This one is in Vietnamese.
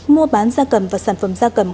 mua bán da cầm và sản phẩm da cầm